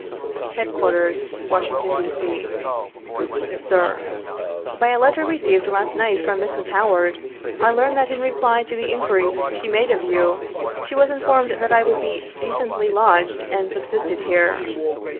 " Headquarters, "Washington, D. C. "Sir: "By a letter received last night from Mrs. Howard, I learn that in reply to the inquiries she made of you, she was informed that I would be "decently lodged and subsisted here."